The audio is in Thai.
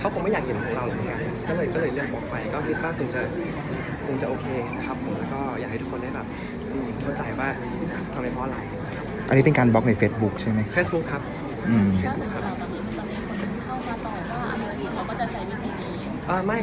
เขาก็ไม่อยากเห็นคนเราเหมือนกันนั่นเลยก็เลยเลือกบอกไป